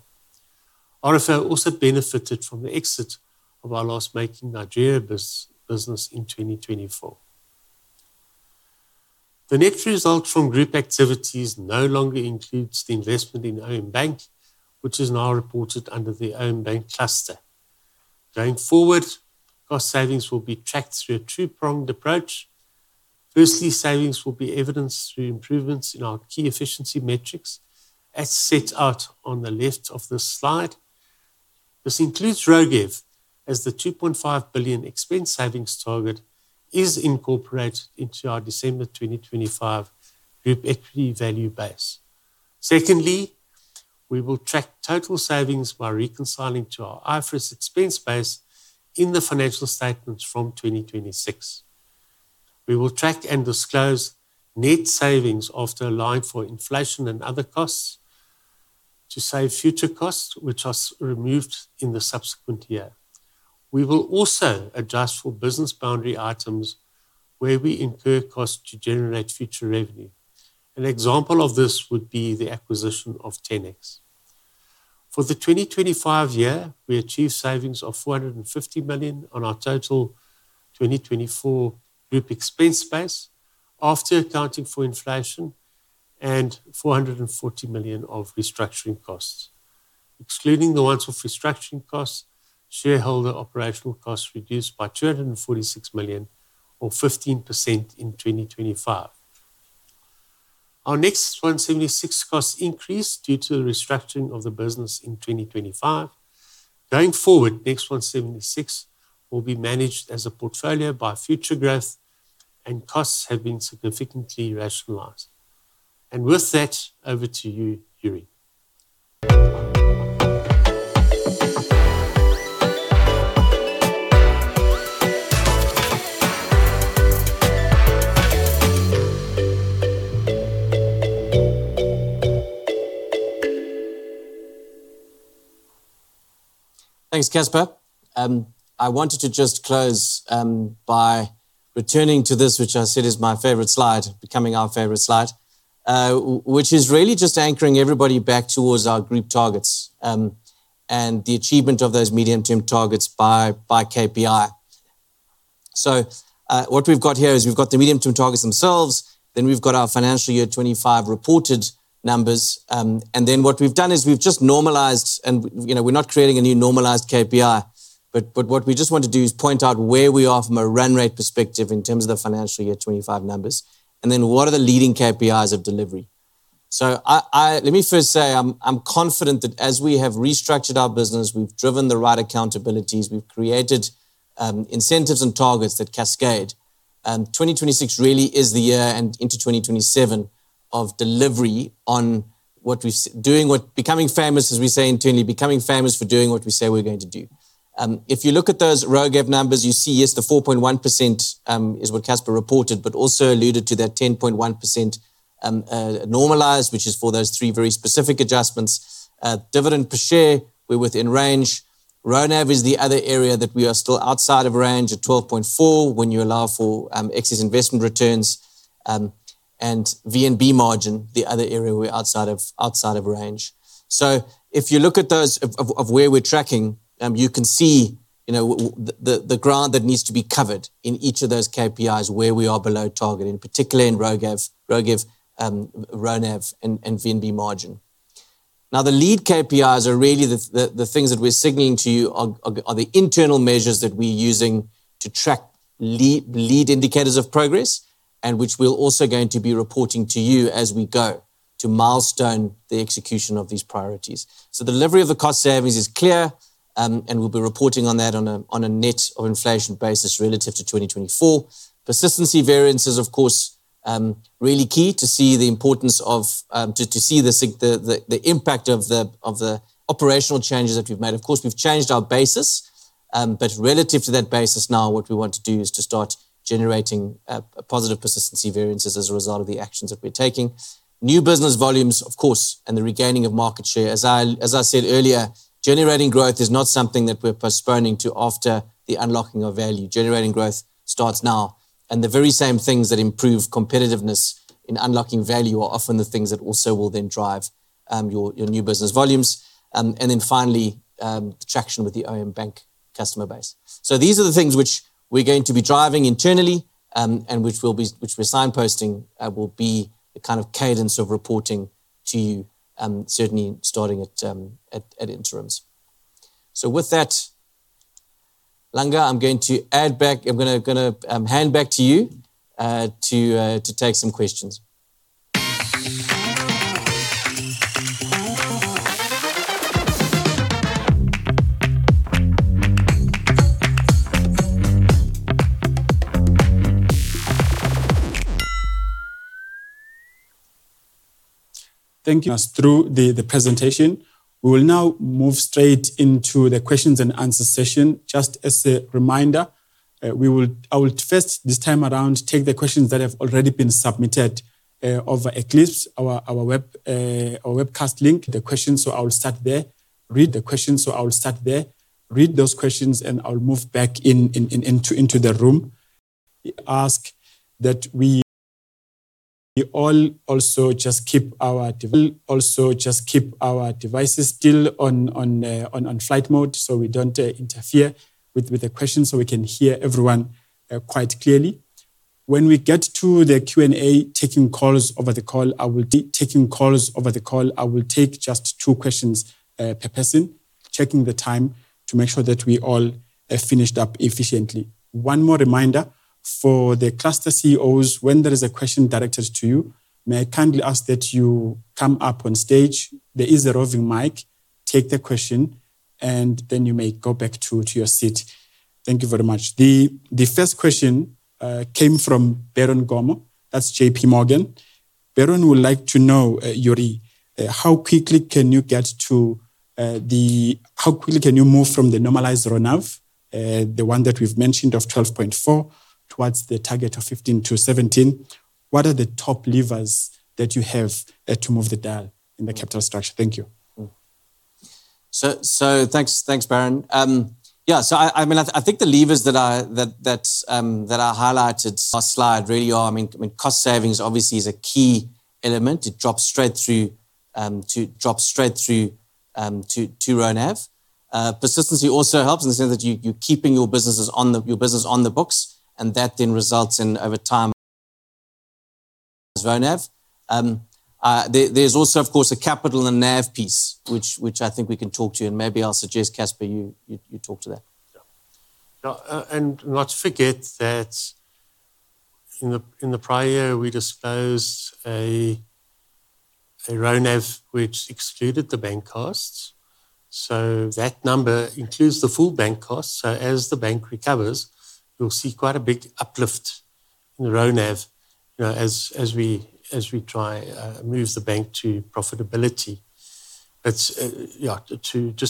RFO also benefited from the exit of our loss-making Nigeria business in 2024. The net result from group activities no longer includes the investment in OM Bank, which is now reported under the OM Bank cluster. Going forward, cost savings will be tracked through a two-pronged approach. Firstly, savings will be evidenced through improvements in our key efficiency metrics as set out on the left of this slide. This includes RoGEV as the 2.5 billion expense savings target is incorporated into our December 2025 group equity value base. Secondly, we will track total savings by reconciling to our IFRS expense base in the financial statements from 2026. We will track and disclose net savings after allowing for inflation and other costs to save future costs which are removed in the subsequent year. We will also adjust for business boundary items where we incur costs to generate future revenue. An example of this would be the acquisition of 10X. For the 2025 year, we achieved savings of 450 million on our total 2024 group expense base after accounting for inflation and 440 million of restructuring costs. Excluding the ones of restructuring costs, shareholder operational costs reduced by 246 million or 15% in 2025. Our NEXT176 costs increased due to the restructuring of the business in 2025. Going forward, NEXT176 will be managed as a portfolio by Futuregrowth, and costs have been significantly rationalized. With that, over to you, Jurie. Thanks, Casper. I wanted to just close by returning to this, which I said is my favorite slide, becoming our favorite slide. Which is really just anchoring everybody back towards our group targets, and the achievement of those medium-term targets by KPI. What we've got here is we've got the medium-term targets themselves, then we've got our financial year 2025 reported numbers. And then what we've done is we've just normalized and we're not creating a new normalized KPI, but what we just want to do is point out where we are from a run rate perspective in terms of the financial year 2025 numbers, and then what are the leading KPIs of delivery. I... Let me first say I'm confident that as we have restructured our business, we've driven the right accountabilities, we've created incentives and targets that cascade. 2026 really is the year and into 2027 of delivery on what we're doing becoming famous as we say internally, becoming famous for doing what we say we're going to do. If you look at those RoGEV numbers, you see, yes, the 4.1% is what Casper reported, but also alluded to that 10.1% normalized, which is for those three very specific adjustments. Dividend per share, we're within range. RoNAV is the other area that we are still outside of range at 12.4% when you allow for excess investment returns, and VNB margin, the other area we're outside of range. If you look at those where we're tracking, you can see the ground that needs to be covered in each of those KPIs where we are below target, and particularly in RoGEV, RoNAV and VNB margin. Now, the leading KPIs are really the things that we're signaling to you are the internal measures that we're using to track leading indicators of progress, and which we're also going to be reporting to you as we go to milestone the execution of these priorities. Delivery of the cost savings is clear, and we'll be reporting on that on a net of inflation basis relative to 2024. Persistency variance is really key to see the importance to see the impact of the operational changes that we've made. Of course, we've changed our basis, but relative to that basis now, what we want to do is to start generating a positive persistency variances as a result of the actions that we're taking. New business volumes, of course, and the regaining of market share. As I said earlier, generating growth is not something that we're postponing to after the unlocking of value. Generating growth starts now, and the very same things that improve competitiveness in unlocking value are often the things that also will then drive your new business volumes. Finally, the traction with the OM Bank customer base. These are the things which we're going to be driving internally, and which we're signposting, will be the kind of cadence of reporting to you, certainly starting at interims. With that, Langa, I'm going to hand back to you to take some questions. Thank you. We will now move straight into the questions and answer session. Just as a reminder, I will first, this time around, take the questions that have already been submitted over Eclipse, our webcast link. I will start there, read those questions, and I'll move back into the room. We'll also just keep our devices still on flight mode so we don't interfere with the questions, so we can hear everyone quite clearly. When we get to the Q&A taking calls over the call, I will be taking calls over the call. I will take just two questions per person, checking the time to make sure that we all finished up efficiently. One more reminder. For the cluster CEOs, when there is a question directed to you, may I kindly ask that you come up on stage. There is a roving mic, take the question, and then you may go back to your seat. Thank you very much. The first question came from Bonga Mbanga. That's J.P. Morgan. Bonga would like to know, Jurie, how quickly can you move from the normalized RONAV, the one that we've mentioned of 12.4 towards the target of 15-17? What are the top levers that you have to move the dial in the capital structure? Thank you. Thanks, Bonga. The levers that I highlighted last slide really are, I mean, cost savings obviously is a key element. It drops straight through to RoNAV. Persistency also helps in the sense that you keeping your business on the books, and that then results in over time as RoNAV. There's also a capital and NAV piece which I think we can talk to, and maybe I'll suggest, Casper, you talk to that. No, not to forget that in the prior year, we disclosed a RoNAV which excluded the bank costs. That number includes the full bank cost. As the bank recovers, you'll see quite a big uplift in the RoNAV, you know, as we try to move the bank to profitability. Just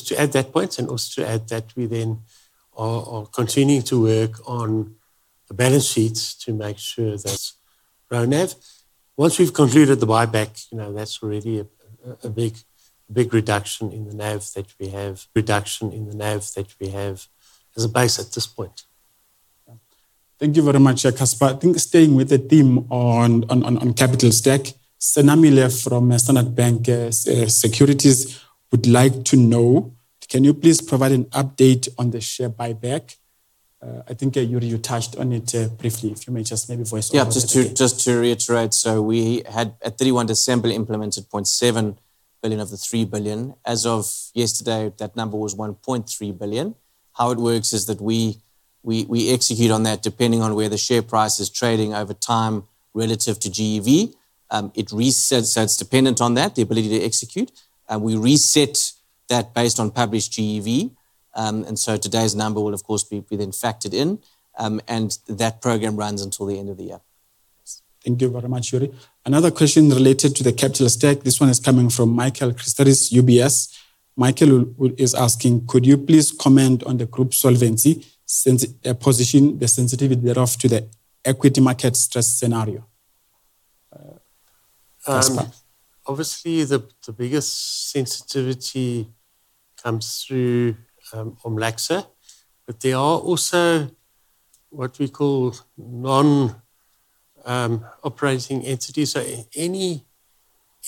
to add that point and also to add that we then are continuing to work on the balance sheets to make sure that RoNAV. Once we've concluded the buyback, you know, that's really a big reduction in the NAV that we have. Reduction in the NAV that we have as a base at this point. Thank you very much, Casper. Staying with the theme on capital stack, Senamile from Standard Bank Group Securities would like to know, can you please provide an update on the share buyback? Jurie, you touched on it briefly, if you may just maybe voice over it again. Just to reiterate. We had at 31 December implemented 0.7 billion of the 3 billion. As of yesterday, that number was 1.3 billion. How it works is that we execute on that depending on where the share price is trading over time relative to GEV. It resets. It's dependent on that, the ability to execute. We reset that based on published GEV. Today's number will of course be then factored in. That program runs until the end of the year. Thank you very much, Jurie. Another question related to the capital stack. This one is coming from Michael Christelis, UBS. Michael is asking, could you please comment on the group solvency position, the sensitivity thereof to the equity market stress scenario? Casper. Obviously the biggest sensitivity comes through from LACDT. There are also what we call non operating entities.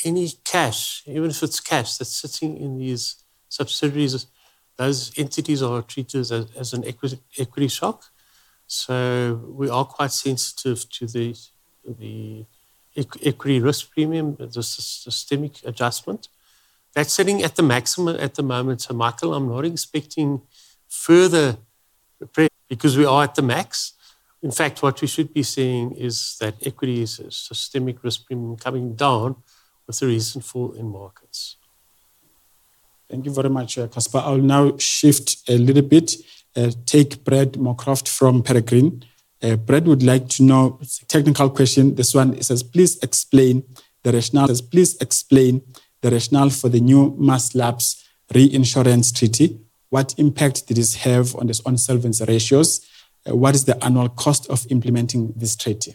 Any cash, even if it's cash that's sitting in these subsidiaries, those entities are treated as an equity shock. We are quite sensitive to the equity risk premium, the systemic adjustment. That's sitting at the maximum at the moment. Michael, I'm not expecting further because we are at the max. In fact, what we should be seeing is that equity's systemic risk premium coming down with the recent fall in markets. Thank you very much, Casper. I'll now shift a little bit, take Brad Moorcroft from Peregrine. Brad would like to know, it's a technical question, this one. It says, please explain the rationale for the new Mass and Foundation reinsurance treaty. What impact did this have on our own solvency ratios? What is the annual cost of implementing this treaty?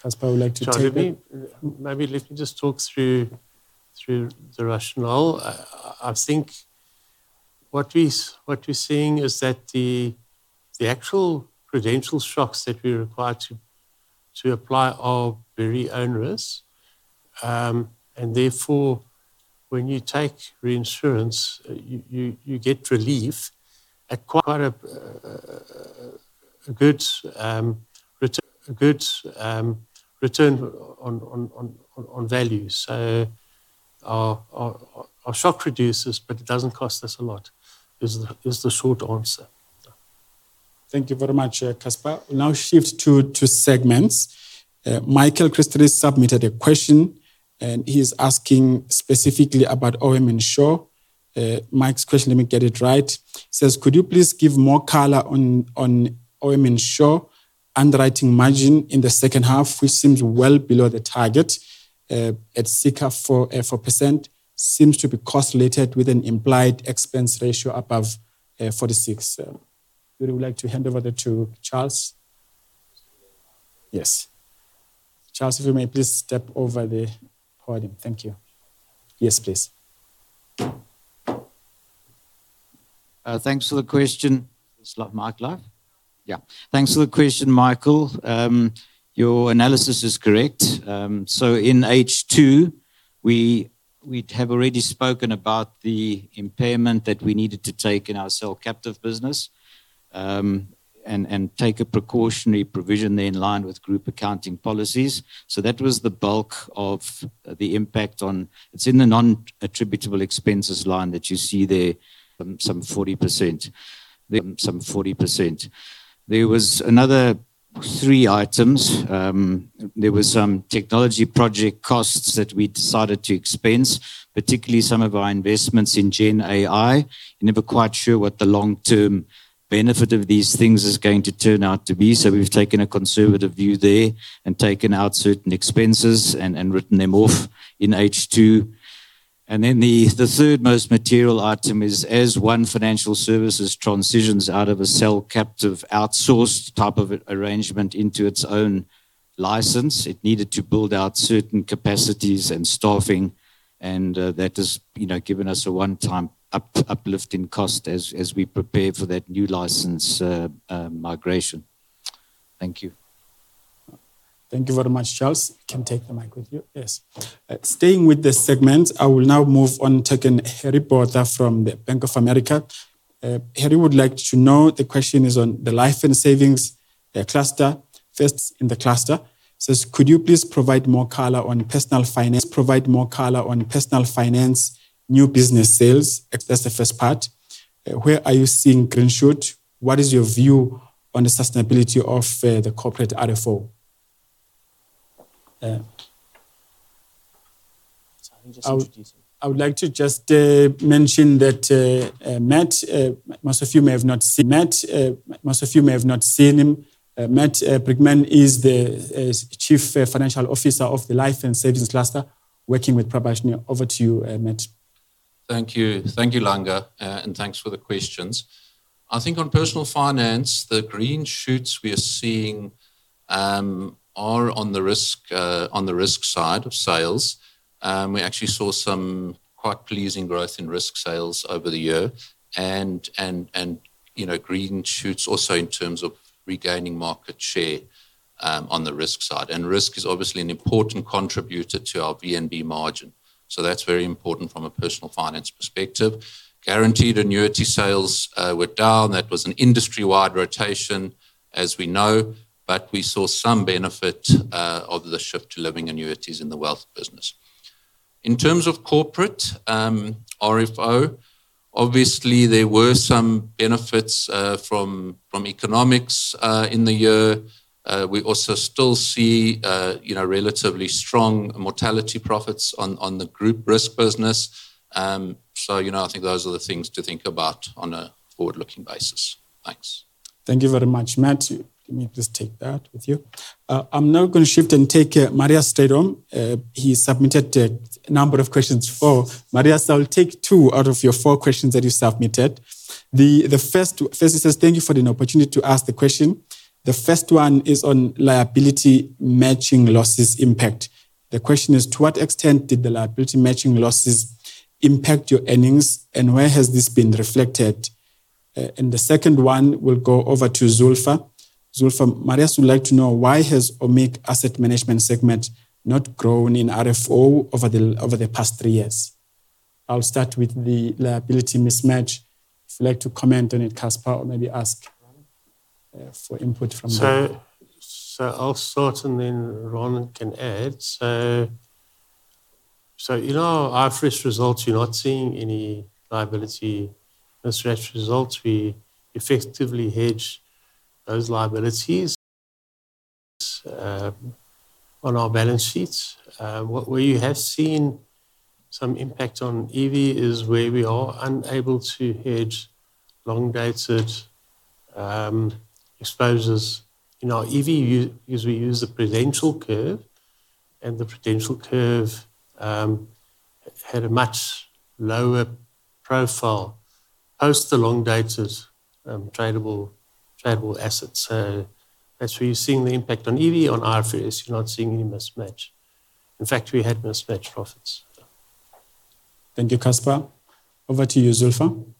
Casper would like to take that. Sure. Maybe let me just talk through the rationale. What we're seeing is that the actual prudential shocks that we're required to apply are very onerous. Therefore, when you take reinsurance, you get relief at quite a good return on value. Our shock reduces, but it doesn't cost us a lot, is the short answer. Thank you very much, Casper. We now shift to segments. Michael Christodoulis submitted a question, and he's asking specifically about Old Mutual Insure. Mike's question, let me get it right. Says, could you please give more color on Old Mutual Insure underwriting margin in the second half, which seems well below the target at 6.44%, seems to be correlated with an implied expense ratio above 46. Jurie would like to hand over to Charles. Yes. Charles, if you may please step over the podium. Thank you. Yes, please. Thanks for the question. Is live mic live? Thanks for the question, Michael. Your analysis is correct. In H2, we have already spoken about the impairment that we needed to take in our cell captive business, and take a precautionary provision there in line with group accounting policies. That was the bulk of the impact on. It's in the non-attributable expenses line that you see there, some 40% there. There was another Three items. There was some technology project costs that we decided to expense, particularly some of our investments in Gen AI. Never quite sure what the long term benefit of these things is going to turn out to be. We've taken a conservative view there and taken out certain expenses and written them off in H2. The third most material item is as ONE Financial Services transitions out of a cell captive outsourced type of arrangement into its own license, it needed to build out certain capacities and staffing and that has, you know, given us a one-time uplifting cost as we prepare for that new license migration. Thank you. Thank you very much. Charles, you can take the mic with you. Yes. Staying with this segment, I will now move on taking Harry Mateer from Bank of America. Harry would like to know, the question is on the Life and Savings cluster. First, in the cluster, says, "Could you please provide more color on Personal Finance new business sales?" That's the first part. Where are you seeing green shoot? What is your view on the sustainability of the corporate RFO? Sorry, just introduce him. I would like to just mention that Matt, most of you may have not seen Matt. Most of you may have not seen him. Matt Bregman is the Chief Financial Officer of the Life and Savings cluster working with Prabashni. Over to you, Matt. Thank you. Langa, and thanks for the questions. I think on Personal Finance, the green shoots we are seeing are on the risk side of sales. We actually saw some quite pleasing growth in risk sales over the year and green shoots also in terms of regaining market share on the risk side. Risk is obviously an important contributor to our VNB margin, so that's very important from a Personal Finance perspective. Guaranteed annuity sales were down. That was an industry-wide rotation as we know, but we saw some benefit of the shift to living annuities in the wealth business. In terms of Corporate, RFO, obviously there were some benefits from economics in the year. We also still see, you know, relatively strong mortality profits on the group risk business. Those are the things to think about on a forward-looking basis. Thanks. Thank you very much, Matt. Let me just take that with you. I'm now going to shift and take Marius Strydom. He submitted a number of questions. Four. Marius, I'll take two out of your four questions that you submitted. The first, it says, "Thank you for the opportunity to ask the question. The first one is on liability matching losses impact. The question is, to what extent did the liability matching losses impact your earnings, and where has this been reflected?" And the second one, we'll go over to Zureida Ebrahim, Marius would like to know, why has OMIG Asset Management segment not grown in RFO over the past three years? I'll start with the liability mismatch. If you'd like to comment on it, Casper, or maybe ask for input from- I'll start and then Ranen Thakurdin can add. In our IFRS results, you're not seeing any liability mismatch results. We effectively hedge those liabilities on our balance sheets. What we have seen some impact on EV is where we are unable to hedge elongated exposures. In our EV, we use the prudential curve, and the Prudential curve had a much lower profile post elongated tradable assets. That's where you're seeing the impact on EV. On IFRS, you're not seeing any mismatch. In fact, we had mismatch profits. Thank you, Casper. Over to you, Zureida Ebrahim.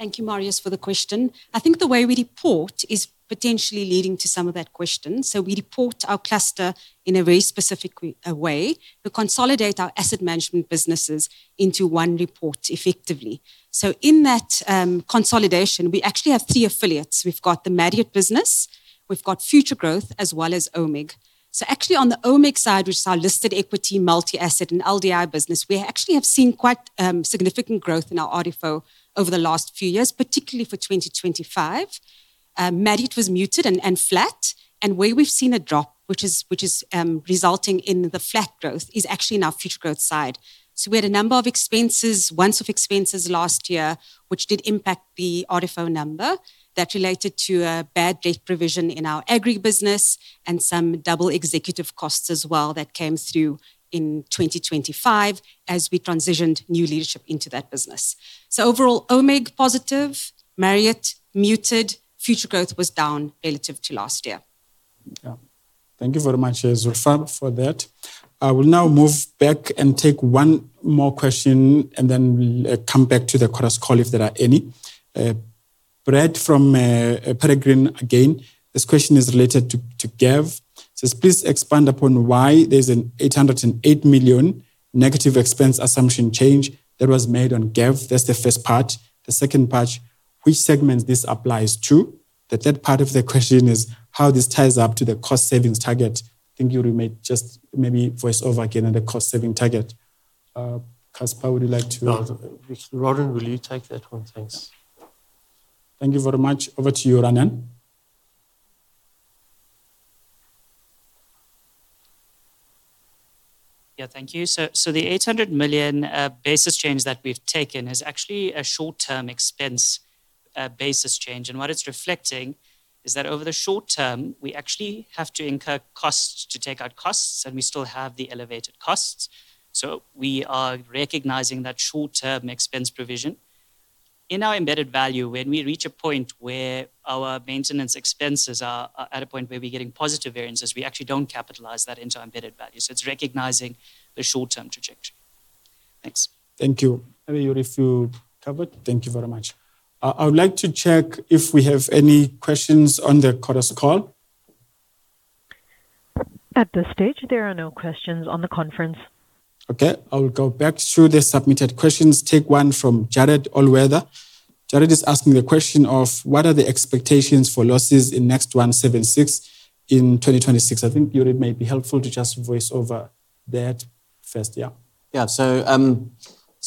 Thank you, Marius, for the question. The way we report is potentially leading to some of that question. We report our cluster in a very specific way. We consolidate our asset management businesses into one report effectively. In that consolidation, we actually have three affiliates. We've got the Marriott business, we've got Futuregrowth, as well as OMIG. Actually, on the OMIG side, which is our listed equity multi-asset and LDI business, we actually have seen quite significant growth in our RFO over the last few years, particularly for 2025. Marriott was muted and flat. Where we've seen a drop, which is resulting in the flat growth, is actually in our Futuregrowth side. We had a number of expenses, once-off expenses last year, which did impact the RFO number that related to a bad debt provision in our agri business and some double executive costs as well that came through in 2025 as we transitioned new leadership into that business. Overall, OMIG positive, Marriott muted. Futuregrowth was down relative to last year. Thank you very much, Zureida, for that. I will now move back and take one more question, and then we'll come back to the Chorus Call if there are any. Bradley from Peregrine again. This question is related to GEV. Says, "Please expand upon why there's a 808 million negative expense assumption change that was made on GEV." That's the first part. The second part: which segment this applies to. The third part of the question is how this ties up to the cost savings target. I think you may just maybe voice over again on the cost savings target. Casper, would you like to- No, Ranen, will you take that one? Thanks. Thank you very much. Over to you, Ranen. Thank you. So the 800 million basis change that we've taken is actually a short-term expense basis change. What it's reflecting is that over the short term, we actually have to incur costs to take out costs, and we still have the elevated costs. We are recognizing that short-term expense provision. In our embedded value, when we reach a point where our maintenance expenses are at a point where we're getting positive variances, we actually don't capitalize that into our embedded value. It's recognizing the short-term trajectory. Thanks. Thank you. Maybe, Jurie, if you cover it. Thank you very much. I would like to check if we have any questions on the Chorus Call. At this stage, there are no questions on the conference. Okay, I'll go back through the submitted questions. Take one from Jared Aarse. Jared is asking the question of: What are the expectations for losses in Next176 in 2026? Jurie, it may be helpful to just voice over that first.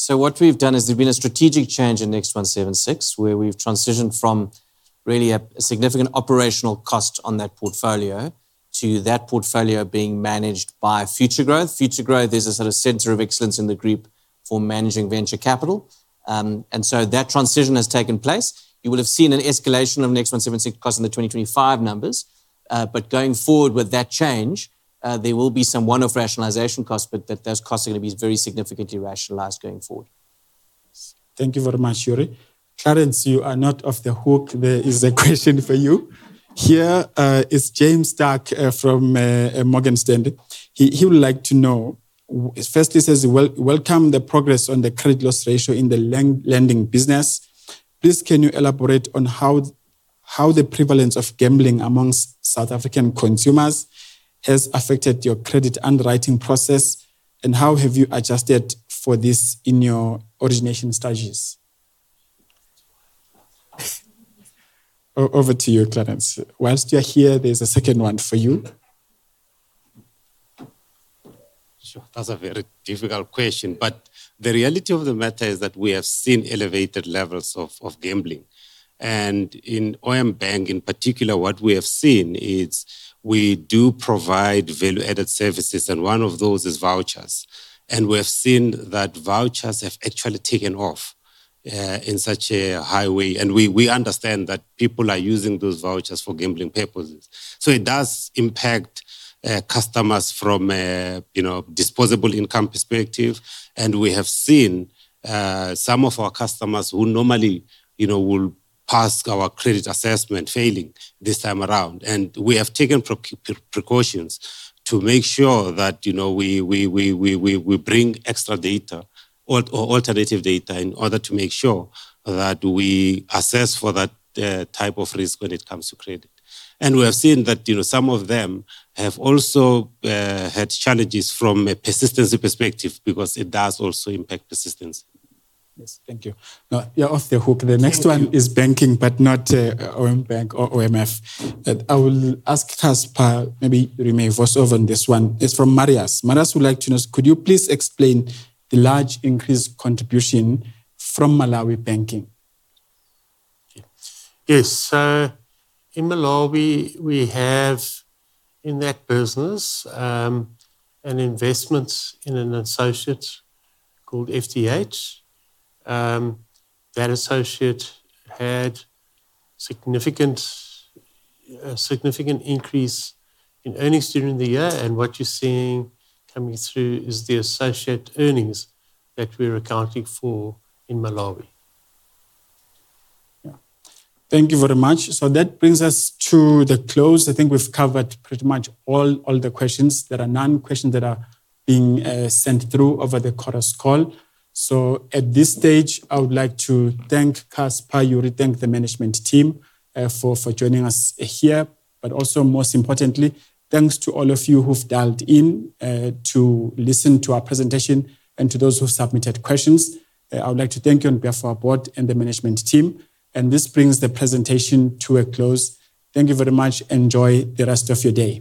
What we've done is there's been a strategic change in Next176, where we've transitioned from really a significant operational cost on that portfolio to that portfolio being managed by Futuregrowth. Futuregrowth is a sort of center of excellence in the group for managing venture capital. That transition has taken place. You would have seen an escalation of Next176 cost in the 2025 numbers. Going forward with that change, there will be some one-off rationalization costs, but those costs are gonna be very significantly rationalized going forward. Thank you very much, Jurie. Clarence, you are not off the hook. There is a question for you. Here is James Starke from Morgan Stanley. He would like to know. Firstly, he says, welcome the progress on the credit loss ratio in the lending business. Please can you elaborate on how the prevalence of gambling among South African consumers has affected your credit underwriting process, and how have you adjusted for this in your origination stages? Over to you, Clarence. While you're here, there's a second one for you. Sure. That's a very difficult question, but the reality of the matter is that we have seen elevated levels of gambling. In OM BANK in particular, what we have seen is we do provide value-added services, and one of those is vouchers. We have seen that vouchers have actually taken off in such a high way. We understand that people are using those vouchers for gambling purposes. It does impact customers from a, you know, disposable income perspective. We have seen some of our customers who normally, you know, will pass our credit assessment failing this time around. We have taken precautions to make sure that, you know, we bring extra data or alternative data in order to make sure that we assess for that type of risk when it comes to credit. We have seen that some of them have also had challenges from a persistency perspective because it does also impact persistence. Yes. Thank you. Now you're off the hook. The next one is banking, but not OM BANK or OMF. I will ask Casper, maybe you may voice over on this one. It's from Marius. Marius would Could you please explain the large increased contribution from Malawi Banking? Yes. In Malawi we have in that business, an investment in an associate called FDH. That associate had a significant increase in earnings during the year, and what you're seeing coming through is the associate earnings that we're accounting for in Malawi. Thank you very much. That brings us to the close. I think we've covered pretty much all the questions. There are no questions that are being sent through over the Chorus Call. At this stage, I would like to thank Casper, Jurie, the management team for joining us here. Also most importantly, thanks to all of you who've dialed in to listen to our presentation and to those who submitted questions. I would like to thank you on behalf of our board and the management team. This brings the presentation to a close. Thank you very much. Enjoy the rest of your day.